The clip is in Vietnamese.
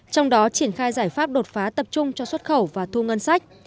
trong đó triển khai giải pháp đột phá tập trung cho xuất khẩu và thu ngân sách